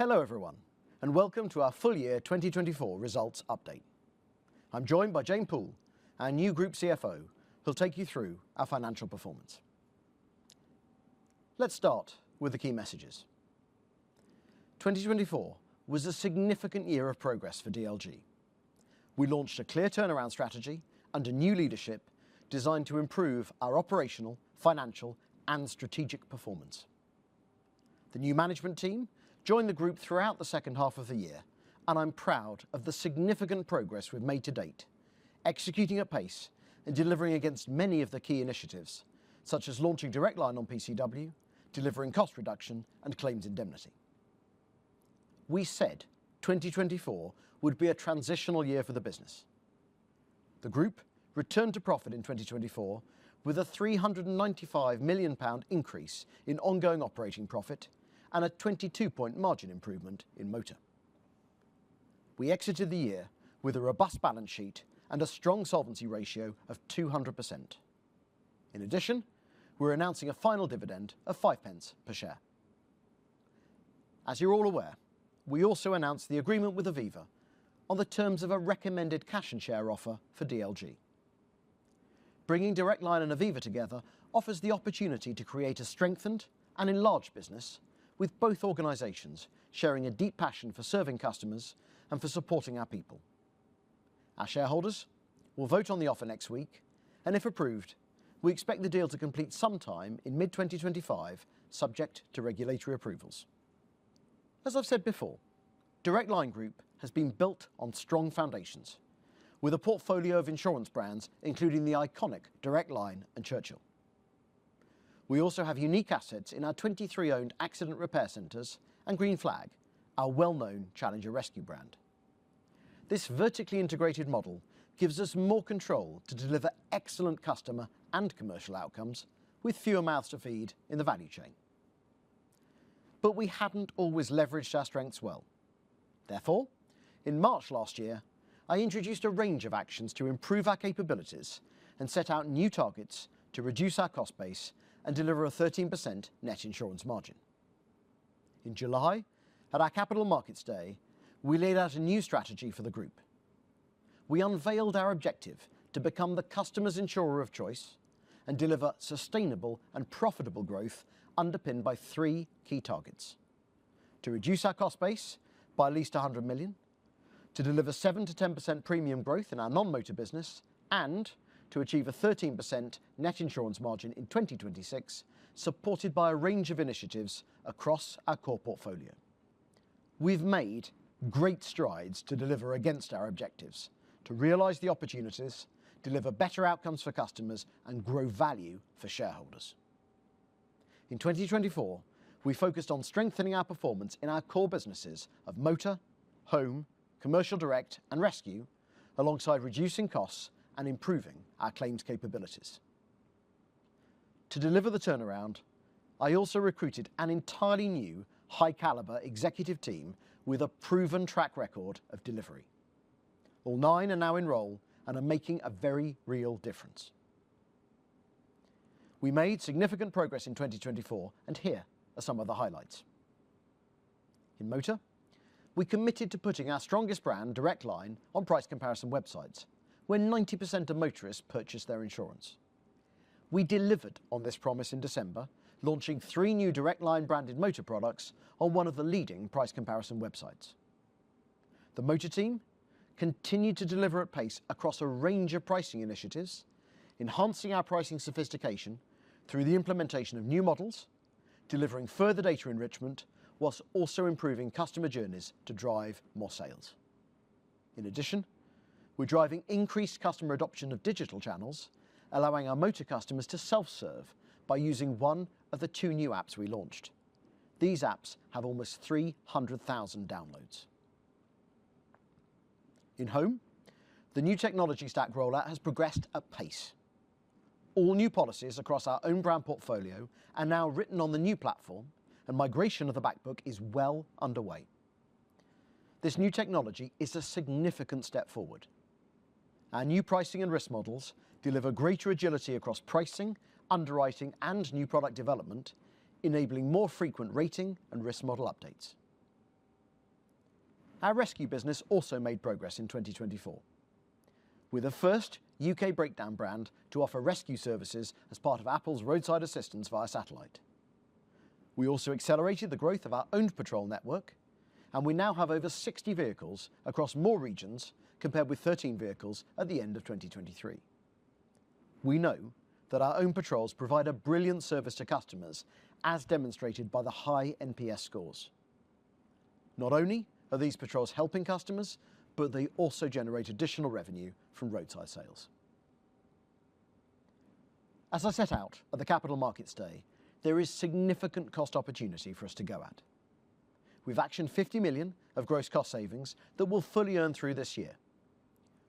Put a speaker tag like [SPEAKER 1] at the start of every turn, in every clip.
[SPEAKER 1] Hello everyone, and welcome to our full year 2024 results update. I'm joined by Jane Poole, our new Group CFO, who'll take you through our financial performance. Let's start with the key messages. 2024 was a significant year of progress for DLG. We launched a clear turnaround strategy under new leadership designed to improve our operational, financial, and strategic performance. The new management team joined the group throughout the second half of the year, and I'm proud of the significant progress we've made to date, executing at pace and delivering against many of the key initiatives, such as launching Direct Line on PCW, delivering cost reduction, and claims indemnity. We said 2024 would be a transitional year for the business. The group returned to profit in 2024 with a 395 million pound increase in ongoing operating profit and a 22-point margin improvement in motor. We exited the year with a robust balance sheet and a strong solvency ratio of 200%. In addition, we're announcing a final dividend of five pence per share. As you're all aware, we also announced the agreement with Aviva on the terms of a recommended cash and share offer for DLG. Bringing Direct Line and Aviva together offers the opportunity to create a strengthened and enlarged business, with both organizations sharing a deep passion for serving customers and for supporting our people. Our shareholders will vote on the offer next week, and if approved, we expect the deal to complete sometime in mid-2025, subject to regulatory approvals. As I've said before, Direct Line Group has been built on strong foundations, with a portfolio of insurance brands, including the iconic Direct Line and Churchill. We also have unique assets in our 23-owned accident repair centres and Green Flag, our well-known challenger rescue brand. This vertically integrated model gives us more control to deliver excellent customer and commercial outcomes with fewer mouths to feed in the value chain. But we hadn't always leveraged our strengths well. Therefore, in March last year, I introduced a range of actions to improve our capabilities and set out new targets to reduce our cost base and deliver a 13% net insurance margin. In July, at our Capital Markets Day, we laid out a new strategy for the group. We unveiled our objective to become the customer's insurer of choice and deliver sustainable and profitable growth underpinned by three key targets: to reduce our cost base by at least 100 million, to deliver 7%-10% premium growth in our non-motor business, and to achieve a 13% net insurance margin in 2026, supported by a range of initiatives across our core portfolio. We've made great strides to deliver against our objectives, to realize the opportunities, deliver better outcomes for customers, and grow value for shareholders. In 2024, we focused on strengthening our performance in our core businesses of motor, home, Commercial Direct, and rescue, alongside reducing costs and improving our claims capabilities. To deliver the turnaround, I also recruited an entirely new high-caliber executive team with a proven track record of delivery. All nine are now in role and are making a very real difference. We made significant progress in 2024, and here are some of the highlights. In motor, we committed to putting our strongest brand, Direct Line, on price comparison websites where 90% of motorists purchase their insurance. We delivered on this promise in December, launching three new Direct Line branded motor products on one of the leading price comparison websites. The motor team continued to deliver at pace across a range of pricing initiatives, enhancing our pricing sophistication through the implementation of new models, delivering further data enrichment, whilst also improving customer journeys to drive more sales. In addition, we're driving increased customer adoption of digital channels, allowing our motor customers to self-serve by using one of the two new apps we launched. These apps have almost 300,000 downloads. In home, the new technology stack rollout has progressed at pace. All new policies across our own brand portfolio are now written on the new platform, and migration of the backbook is well underway. This new technology is a significant step forward. Our new pricing and risk models deliver greater agility across pricing, underwriting, and new product development, enabling more frequent rating and risk model updates. Our rescue business also made progress in 2024, with a first U.K. breakdown brand to offer rescue services as part of Apple's roadside assistance via satellite. We also accelerated the growth of our owned patrol network, and we now have over 60 vehicles across more regions compared with 13 vehicles at the end of 2023. We know that our owned patrols provide a brilliant service to customers, as demonstrated by the high NPS scores. Not only are these patrols helping customers, but they also generate additional revenue from roadside sales. As I set out at the Capital Markets Day, there is significant cost opportunity for us to go at. We've actioned 50 million of gross cost savings that we'll fully earn through this year.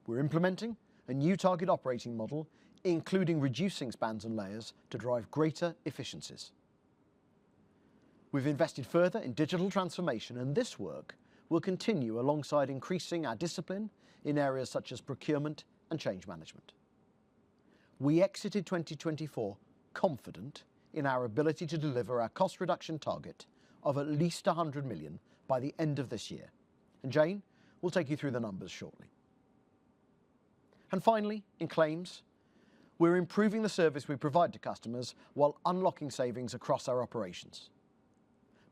[SPEAKER 1] We're implementing a new target operating model, including reducing spans and layers to drive greater efficiencies. We've invested further in digital transformation, and this work will continue alongside increasing our discipline in areas such as procurement and change management. We exited 2024 confident in our ability to deliver our cost reduction target of at least 100 million by the end of this year, and Jane will take you through the numbers shortly, and finally, in claims, we're improving the service we provide to customers while unlocking savings across our operations.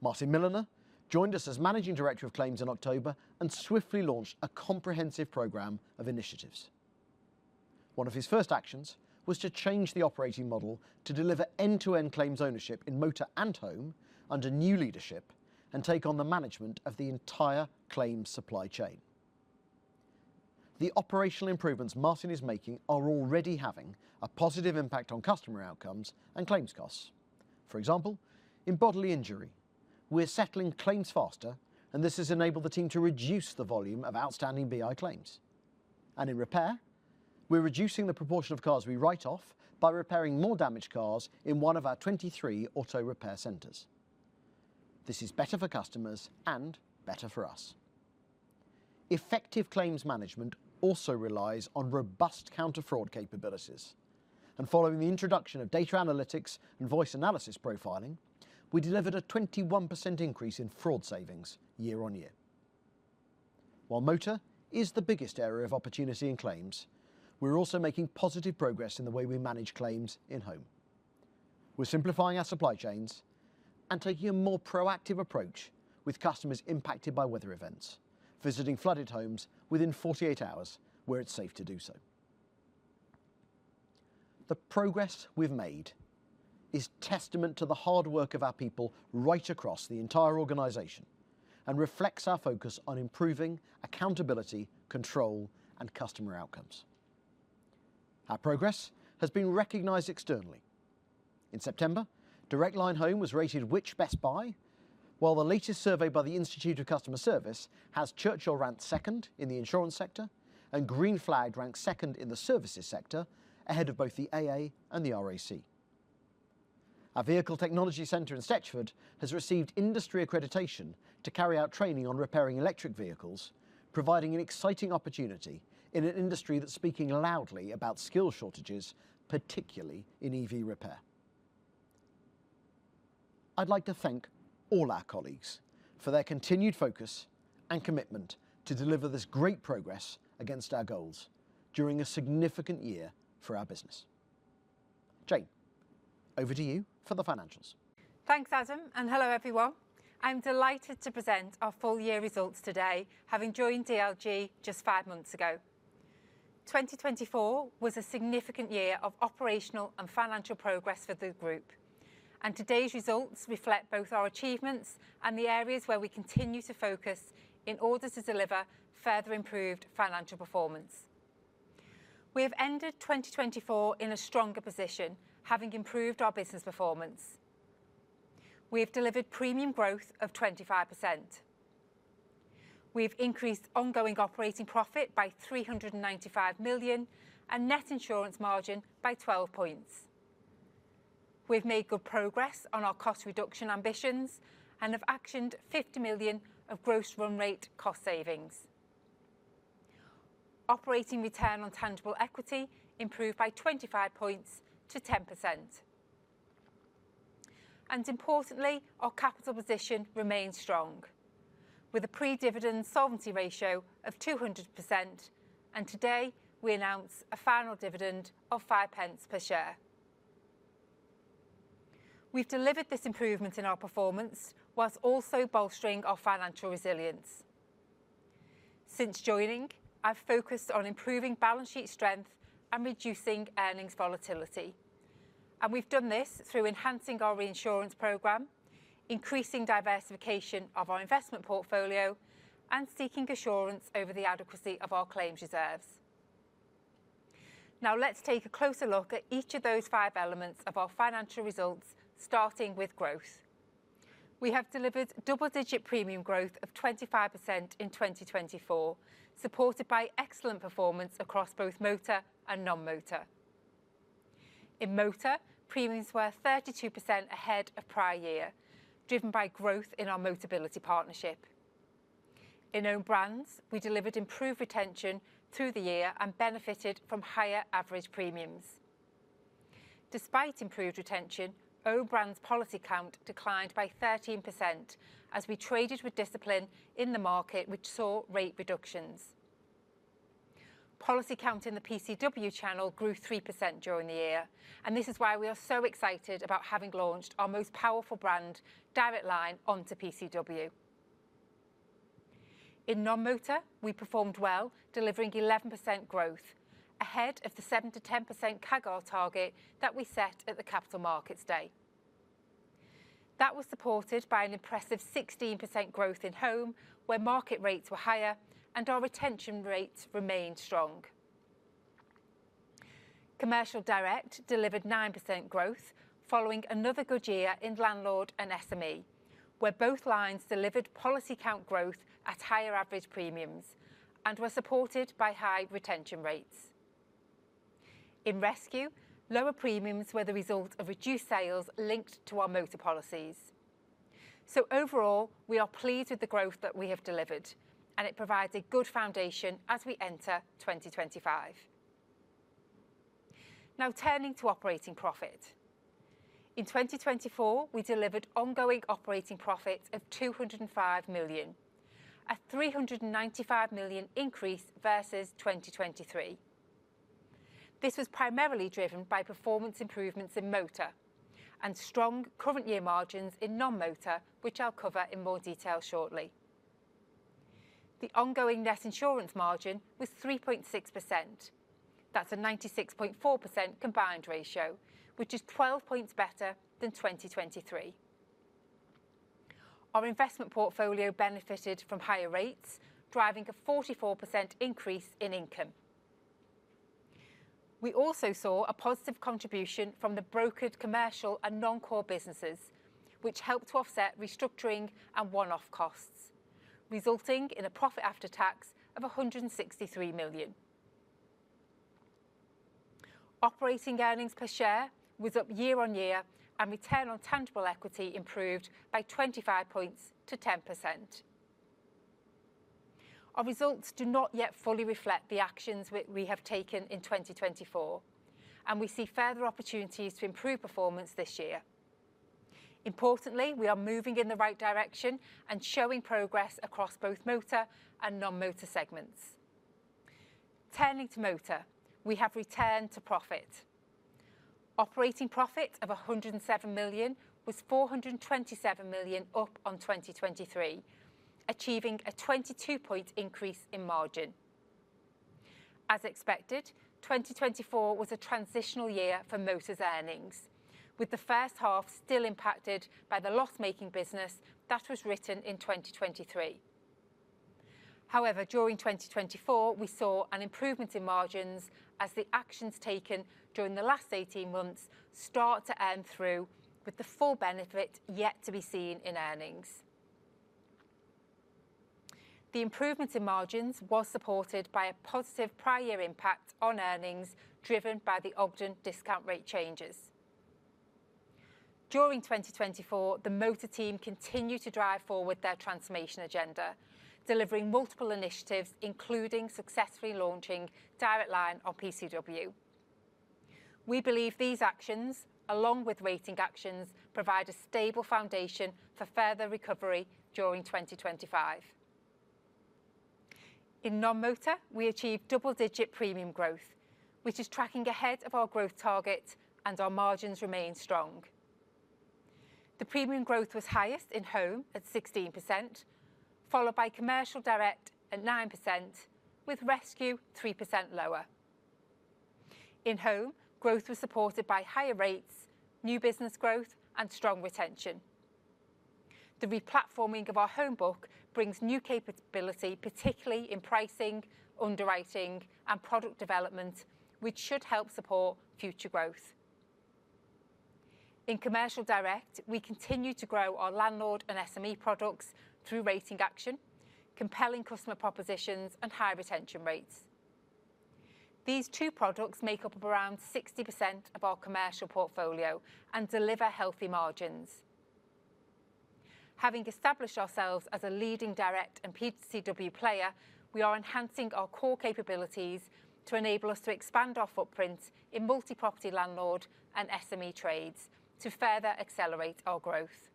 [SPEAKER 1] Martin Milliner joined us as Managing Director of Claims in October and swiftly launched a comprehensive program of initiatives. One of his first actions was to change the operating model to deliver end-to-end claims ownership in motor and home under new leadership and take on the management of the entire claims supply chain. The operational improvements Martin is making are already having a positive impact on customer outcomes and claims costs. For example, in bodily injury, we're settling claims faster, and this has enabled the team to reduce the volume of outstanding BI claims, and in repair, we're reducing the proportion of cars we write off by repairing more damaged cars in one of our 23 auto repair centres. This is better for customers and better for us. Effective claims management also relies on robust counter fraud capabilities, and following the introduction of data analytics and voice analysis profiling, we delivered a 21% increase in fraud savings year on year. While motor is the biggest area of opportunity in claims, we're also making positive progress in the way we manage claims in home. We're simplifying our supply chains and taking a more proactive approach with customers impacted by weather events, visiting flooded homes within 48 hours where it's safe to do so. The progress we've made is testament to the hard work of our people right across the entire organization and reflects our focus on improving accountability, control, and customer outcomes. Our progress has been recognised externally. In September, Direct Line Home was rated Which? Best Buy, while the latest survey by the Institute of Customer Service has Churchill ranked second in the insurance sector, and Green Flag ranked second in the services sector, ahead of both the AA and the RAC. Our Vehicle Technology Centre in Stechford has received industry accreditation to carry out training on repairing electric vehicles, providing an exciting opportunity in an industry that's speaking loudly about skill shortages, particularly in EV repair. I'd like to thank all our colleagues for their continued focus and commitment to deliver this great progress against our goals during a significant year for our business. Jane, over to you for the financials.
[SPEAKER 2] Thanks, Adam, and hello everyone. I'm delighted to present our full year results today, having joined DLG just five months ago. 2024 was a significant year of operational and financial progress for the group, and today's results reflect both our achievements and the areas where we continue to focus in order to deliver further improved financial performance. We have ended 2024 in a stronger position, having improved our business performance. We have delivered premium growth of 25%. We have increased ongoing operating profit by 395 million and net insurance margin by 12 points. We've made good progress on our cost reduction ambitions and have actioned 50 million of gross run rate cost savings. Operating return on tangible equity improved by 25 points to 10%. Importantly, our capital position remains strong, with a pre-dividend solvency ratio of 200%, and today we announce a final dividend of 0.05 per share. We've delivered this improvement in our performance while also bolstering our financial resilience. Since joining, I've focused on improving balance sheet strength and reducing earnings volatility, and we've done this through enhancing our reinsurance program, increasing diversification of our investment portfolio, and seeking assurance over the adequacy of our claims reserves. Now let's take a closer look at each of those five elements of our financial results, starting with growth. We have delivered double-digit premium growth of 25% in 2024, supported by excellent performance across both motor and non-motor. In motor, premiums were 32% ahead of prior year, driven by growth in our Motability Partnership. In owned brands, we delivered improved retention through the year and benefited from higher average premiums. Despite improved retention, owned brands policy count declined by 13% as we traded with discipline in the market, which saw rate reductions. Policy count in the PCW channel grew 3% during the year, and this is why we are so excited about having launched our most powerful brand, Direct Line, onto PCW. In non-motor, we performed well, delivering 11% growth ahead of the 7%-10% CAGR target that we set at the Capital Markets Day. That was supported by an impressive 16% growth in home, where market rates were higher and our retention rates remained strong. Commercial Direct delivered 9% growth following another good year in landlord and SME, where both lines delivered policy count growth at higher average premiums and were supported by high retention rates. In rescue, lower premiums were the result of reduced sales linked to our motor policies. So overall, we are pleased with the growth that we have delivered, and it provides a good foundation as we enter 2025. Now turning to operating profit. In 2024, we delivered ongoing operating profit of 205 million, a 395 million increase versus 2023. This was primarily driven by performance improvements in motor and strong current year margins in non-motor, which I'll cover in more detail shortly. The ongoing net insurance margin was 3.6%. That's a 96.4% combined ratio, which is 12 points better than 2023. Our investment portfolio benefited from higher rates, driving a 44% increase in income. We also saw a positive contribution from the brokered commercial and non-core businesses, which helped to offset restructuring and one-off costs, resulting in a profit after tax of 163 million. Operating earnings per share was up year on year, and return on tangible equity improved by 25 points to 10%. Our results do not yet fully reflect the actions we have taken in 2024, and we see further opportunities to improve performance this year. Importantly, we are moving in the right direction and showing progress across both motor and non-motor segments. Turning to motor, we have returned to profit. Operating profit of 107 million was 427 million up on 2023, achieving a 22-point increase in margin. As expected, 2024 was a transitional year for motor's earnings, with the first half still impacted by the loss-making business that was written in 2023. However, during 2024, we saw an improvement in margins as the actions taken during the last 18 months start to earn through, with the full benefit yet to be seen in earnings. The improvement in margins was supported by a positive prior year impact on earnings driven by the Ogden discount rate changes. During 2024, the motor team continued to drive forward their transformation agenda, delivering multiple initiatives, including successfully launching Direct Line on PCW. We believe these actions, along with rating actions, provide a stable foundation for further recovery during 2025. In non-motor, we achieved double-digit premium growth, which is tracking ahead of our growth target, and our margins remain strong. The premium growth was highest in home at 16%, followed by Commercial Direct at 9%, with rescue 3% lower. In home, growth was supported by higher rates, new business growth, and strong retention. The replatforming of our homebook brings new capability, particularly in pricing, underwriting, and product development, which should help support future growth. In Commercial Direct, we continue to grow our landlord and SME products through rating action, compelling customer propositions, and high retention rates. These two products make up around 60% of our commercial portfolio and deliver healthy margins. Having established ourselves as a leading Direct and PCW player, we are enhancing our core capabilities to enable us to expand our footprint in multi-property landlord and SME trades to further accelerate our growth.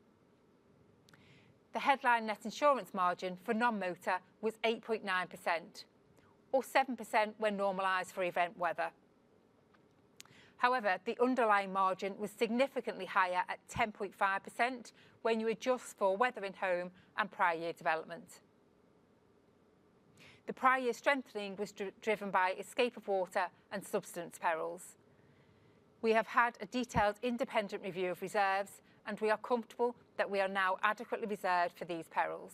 [SPEAKER 2] The headline net insurance margin for non-motor was 8.9%, or 7% when normalized for event weather. However, the underlying margin was significantly higher at 10.5% when you adjust for weather in home and prior year development. The prior year strengthening was driven by escape of water and substantive perils. We have had a detailed independent review of reserves, and we are comfortable that we are now adequately reserved for these perils.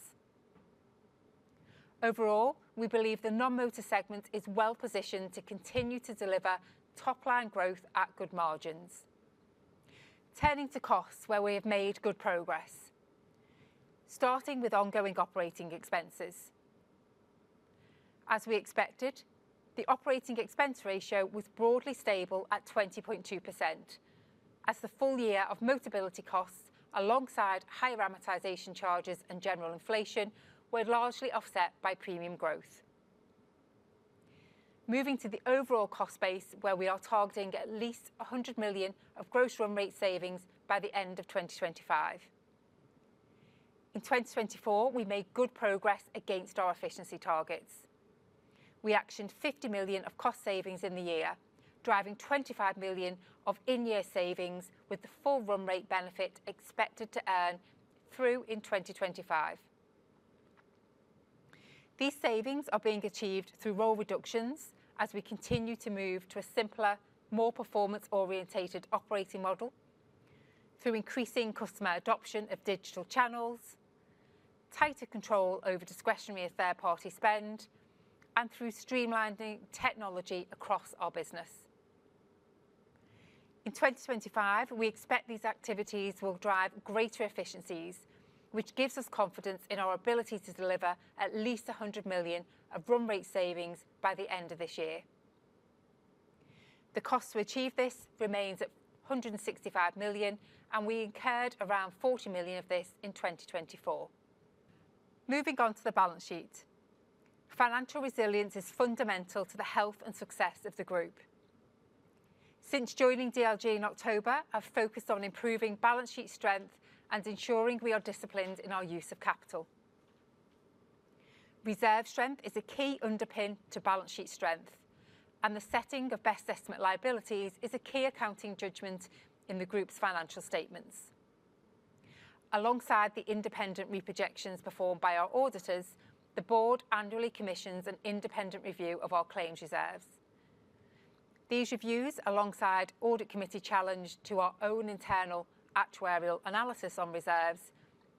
[SPEAKER 2] Overall, we believe the non-motor segment is well positioned to continue to deliver top-line growth at good margins. Turning to costs where we have made good progress, starting with ongoing operating expenses. As we expected, the operating expense ratio was broadly stable at 20.2%, as the full year of Motability costs, alongside higher amortization charges and general inflation, were largely offset by premium growth. Moving to the overall cost base, where we are targeting at least 100 million of gross run rate savings by the end of 2025. In 2024, we made good progress against our efficiency targets. We actioned 50 million of cost savings in the year, driving 25 million of in-year savings with the full run rate benefit expected to earn through in 2025. These savings are being achieved through role reductions as we continue to move to a simpler, more performance-oriented operating model, through increasing customer adoption of digital channels, tighter control over discretionary and third-party spend, and through streamlining technology across our business. In 2025, we expect these activities will drive greater efficiencies, which gives us confidence in our ability to deliver at least 100 million of run rate savings by the end of this year. The cost to achieve this remains at 165 million, and we incurred around 40 million of this in 2024. Moving on to the balance sheet, financial resilience is fundamental to the health and success of the group. Since joining DLG in October, I've focused on improving balance sheet strength and ensuring we are disciplined in our use of capital. Reserve strength is a key underpin to balance sheet strength, and the setting of best estimate liabilities is a key accounting judgment in the group's financial statements. Alongside the independent reprojections performed by our auditors, the board annually commissions an independent review of our claims reserves. These reviews, alongside audit committee challenge to our own internal actuarial analysis on reserves,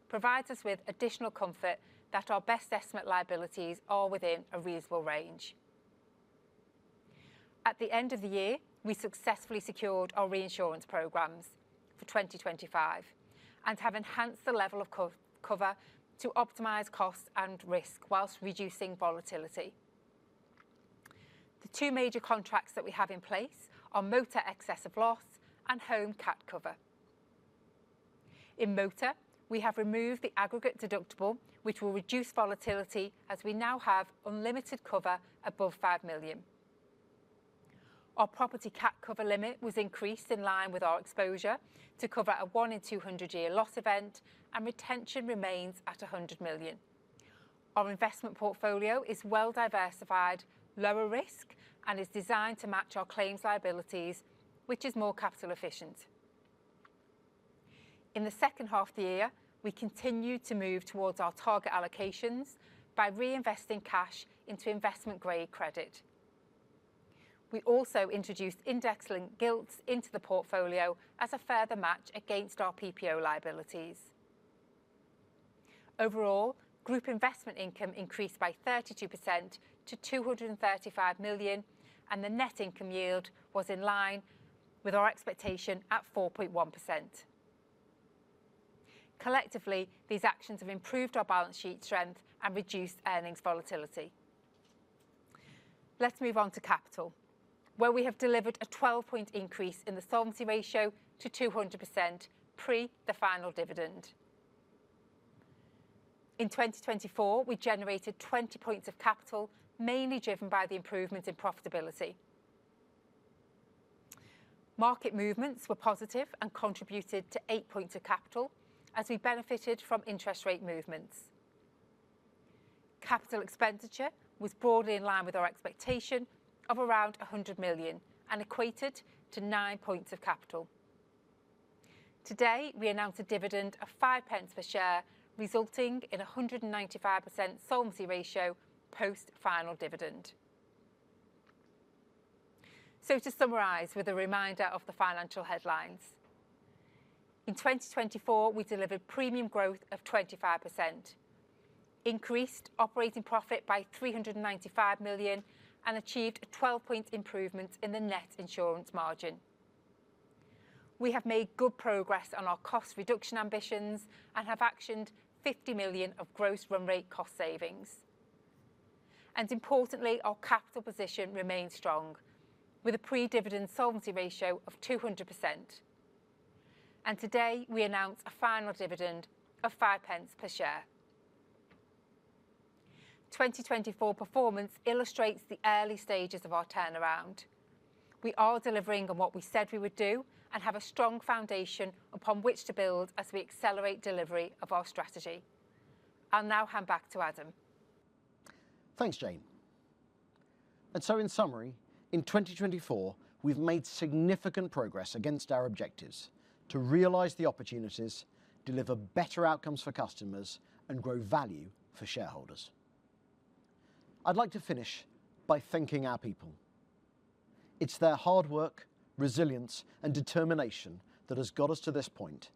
[SPEAKER 2] provide us with additional comfort that our best estimate liabilities are within a reasonable range. At the end of the year, we successfully secured our reinsurance programs for 2025 and have enhanced the level of cover to optimize cost and risk while reducing volatility. The two major contracts that we have in place are motor excess loss and home CAT cover. In motor, we have removed the aggregate deductible, which will reduce volatility as we now have unlimited cover above 5 million. Our property CAT cover limit was increased in line with our exposure to cover a one in 200 year loss event, and retention remains at 100 million. Our investment portfolio is well diversified, lower risk, and is designed to match our claims liabilities, which is more capital efficient. In the second half of the year, we continue to move towards our target allocations by reinvesting cash into investment-grade credit. We also introduced index-linked gilts into the portfolio as a further match against our PPO liabilities. Overall, group investment income increased by 32% to 235 million, and the net income yield was in line with our expectation at 4.1%. Collectively, these actions have improved our balance sheet strength and reduced earnings volatility. Let's move on to capital, where we have delivered a 12-point increase in the solvency ratio to 200% pre the final dividend. In 2024, we generated 20 points of capital, mainly driven by the improvement in profitability. Market movements were positive and contributed to eight points of capital as we benefited from interest rate movements. Capital expenditure was broadly in line with our expectation of around 100 million and equated to nine points of capital. Today, we announced a dividend of 0.05 per share, resulting in a 195% solvency ratio post final dividend, so to summarize with a reminder of the financial headlines, in 2024, we delivered premium growth of 25%, increased operating profit by 395 million, and achieved a 12-point improvement in the net insurance margin. We have made good progress on our cost reduction ambitions and have actioned 50 million of gross run rate cost savings, and importantly, our capital position remains strong with a pre-dividend solvency ratio of 200%, and today, we announce a final dividend of 0.05 per share. 2024 performance illustrates the early stages of our turnaround. We are delivering on what we said we would do and have a strong foundation upon which to build as we accelerate delivery of our strategy. I'll now hand back to Adam.
[SPEAKER 1] Thanks, Jane. In summary, in 2024, we've made significant progress against our objectives to realize the opportunities, deliver better outcomes for customers, and grow value for shareholders. I'd like to finish by thanking our people. It's their hard work, resilience, and determination that has got us to this point,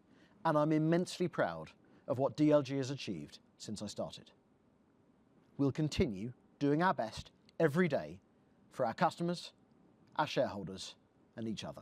[SPEAKER 1] and I'm immensely proud of what DLG has achieved since I started. We'll continue doing our best every day for our customers, our shareholders, and each other.